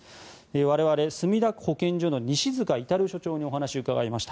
我々、墨田区保健所の西塚至所長にお話を伺いました。